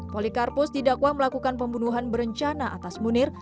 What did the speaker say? polikarpus didakwa melakukan pembunuhan berencana atas munir